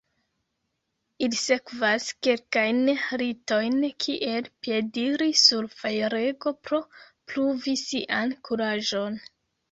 Ili sekvas kelkajn ritojn kiel piediri sur fajrego pro pruvi sian kuraĝon.